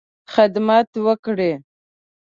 خدمت وکړې.